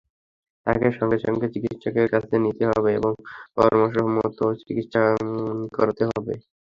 তাকে সঙ্গে সঙ্গে চিকিৎসকের কাছে নিতে হবে এবং পরামর্শমতো চিকিৎসা করাতে হবে।